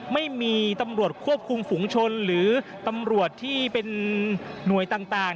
ไม่มีตำรวจควบคุมฝุงชนหรือตำรวจที่เป็นหน่วยต่าง